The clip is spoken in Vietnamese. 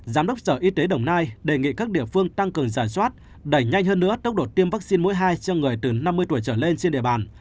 giám đốc sở y tế đồng nai đề nghị các địa phương tăng cường giả soát đẩy nhanh hơn nữa tốc độ tiêm vaccine mũi hai cho người từ năm mươi tuổi trở lên trên địa bàn